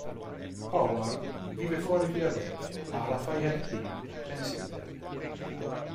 Howard vive fuori Filadelfia a Lafayette Hill, Pennsylvania.